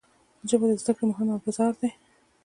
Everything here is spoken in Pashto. ژبه د زده کړې مهم ابزار دی